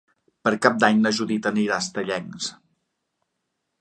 Per Cap d'Any na Judit anirà a Estellencs.